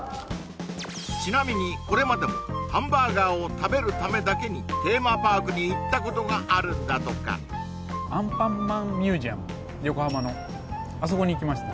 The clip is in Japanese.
ちなみにこれまでもハンバーガーを食べるためだけにテーマパークに行ったことがあるんだとかアンパンマンミュージアム横浜のあそこに行きました